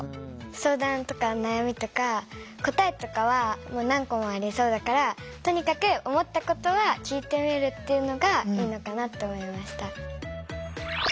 相談とか悩みとか答えとかは何個もありそうだからとにかく思ったことは聞いてみるっていうのがいいのかなって思いました。